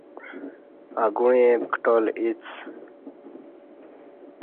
اگوعیں پکٹال اِڅ